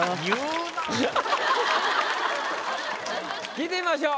聞いてみましょう。